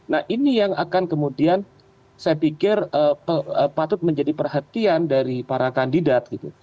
nah ini yang akan kemudian saya pikir patut menjadi perhatian dari para kandidat gitu